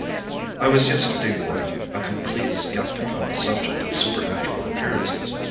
"I was yesterday morning a complete skeptic on the subject of supernatural appearances.